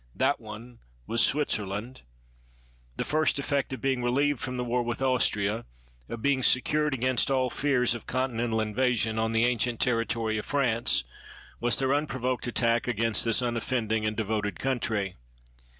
That one was Switzerland. The first effect of being relieved from the war with Aus tria, of being secured against all fears of Con tinental invasion on the ancient territory of France, was their unprovoked attack against this unoffending and devoted country.